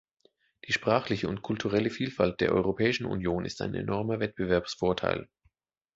Die sprachliche und kulturelle Vielfalt der Europäischen Union ist ein enormer Wettbewerbsvorteil.